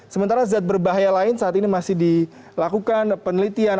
sementara zat berbahaya lain saat ini masih dilakukan penelitian